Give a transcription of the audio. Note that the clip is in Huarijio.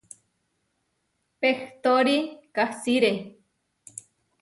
Pehtóri kasiré.